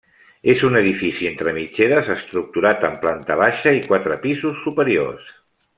És un edifici entre mitgeres estructurat en planta baixa i quatre pisos superiors.